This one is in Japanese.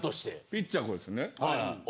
ピッチャー、これですね。